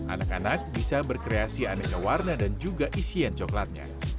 anak anak bisa berkreasi aneka warna dan juga isian coklatnya